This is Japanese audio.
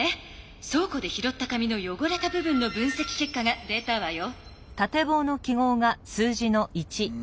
そう庫でひろった紙のよごれた部分の分せきけっかが出たわよ。